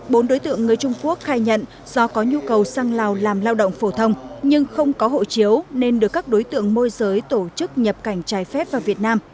bốn đối tượng người trung quốc khai nhận do có nhu cầu sang lào làm lao động phổ thông nhưng không có hộ chiếu nên được các đối tượng môi giới tổ chức nhập cảnh trái phép vào việt nam